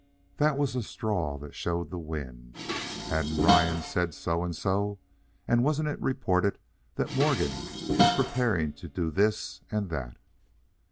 That was the straw that showed the wind. Hadn't Ryan said so and so? and wasn't it reported that Morgan was preparing to do this and that?